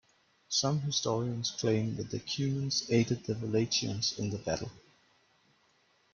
Some historians claim that the Cumans aided the Wallachians in the battle.